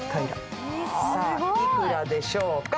さあ、いくらでしょうか？